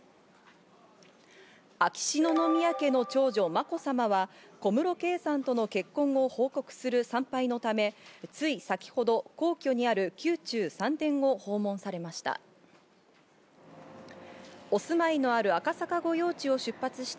秋篠宮家の長女・まこさまは小室圭さんとの結婚を報告する参拝のため、つい先程、皇居にある宮中三殿を訪問されました。